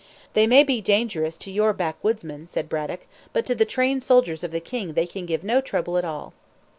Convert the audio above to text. "They may be dangerous to your backwoodsmen," said Braddock; "but to the trained soldiers of the king they can give no trouble at all."